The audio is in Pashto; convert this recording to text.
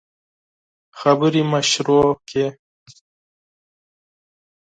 خبري مي شروع کړې !